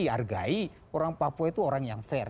hargai orang orang papua itu orang yang fair